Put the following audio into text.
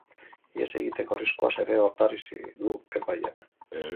Ihes egiteko arriskuaz ere ohartarazi du epaileak.